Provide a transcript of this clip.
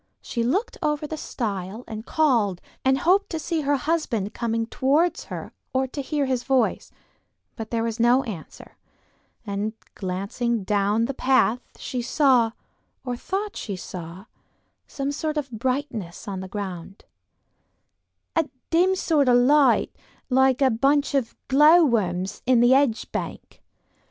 She looked over the stile and called and hoped to see her husband coming towards her or to hear his voice; but there was no answer, and glancing down the path she saw, or thought she saw, some sort of brightness on the ground, "a dim sort of light like a bunch of glow worms in a hedge bank.